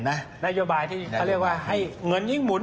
นโยบายที่เขาเรียกว่าให้เงินยิ่งหมุน